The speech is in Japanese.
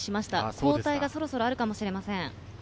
交代がそろそろあるかもしれません。